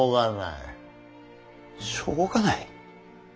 しょうがない？